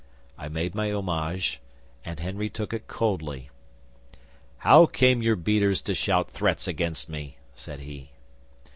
I made my homage, and Henry took it coldly. '"How came your beaters to shout threats against me?" said he.